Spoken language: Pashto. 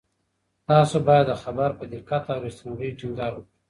تاسو باید د خبر په دقت او رښتینولۍ ټینګار وکړئ.